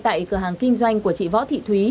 tại cửa hàng kinh doanh của chị võ thị thúy